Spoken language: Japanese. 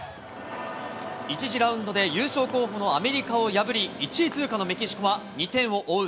１次ラウンドで優勝候補のアメリカを破り、１位通過のメキシコは、２点を追う